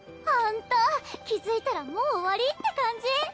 ホント気付いたらもう終わり？って感じ。